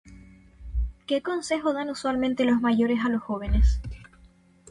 ¿Qué consejo dan usualmente los mayores a los jóvenes?